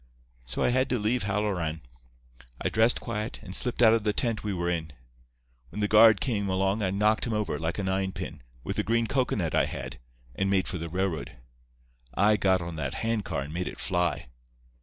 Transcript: "So I had to leave Halloran. I dressed quiet, and slipped out of the tent we were in. When the guard came along I knocked him over, like a ninepin, with a green cocoanut I had, and made for the railroad. I got on that hand car and made it fly.